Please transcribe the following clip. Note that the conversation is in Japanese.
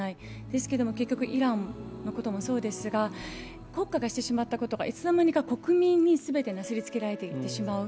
ですけれども、イランのこともそうですが、国家がしてしまったことがいつの間にか国民になすりつけられていってしまう。